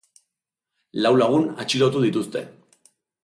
Lau lagun atxilotu dituzte.